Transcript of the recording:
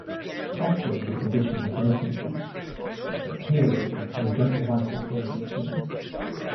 Often the condition has no symptoms, but tearing and conjunctivitis may be seen.